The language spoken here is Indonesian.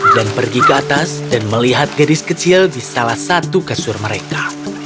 dan pergi ke atas dan melihat gadis kecil di salah satu kasur mereka